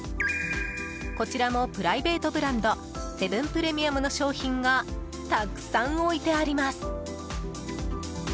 こちらもプライベートブランドセブンプレミアムの商品がたくさん置いてあります。